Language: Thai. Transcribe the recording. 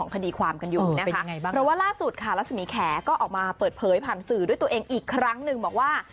ออกมาเปิดเผยผ่านสื่อด้วยตัวเองอีกครั้งหนึ่งบอกว่า